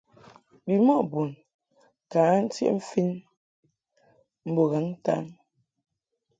Bimɔʼ bun ka ntiʼ mfin mbo ghaŋ-ntan.